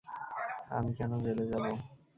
আমি কেন জেলে যাব?